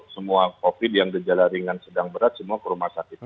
semua covid yang gejala ringan sedang berat semua ke rumah sakit